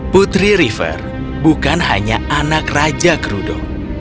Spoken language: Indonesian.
putri river bukan hanya anak raja krudo